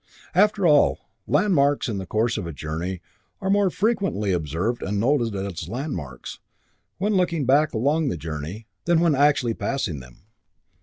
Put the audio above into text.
After all, landmarks, in the course of a journey, are more frequently observed and noted as landmarks, when looking back along the journey, than when actually passing them.